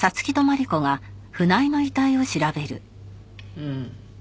うん。